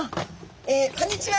えこんにちは！